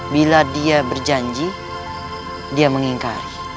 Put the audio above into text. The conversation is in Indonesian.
bila dia berjanji dia mengingkari